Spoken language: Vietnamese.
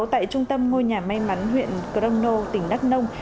tại trung tâm ngôi nhà may mắn huyện crono tỉnh đắk nông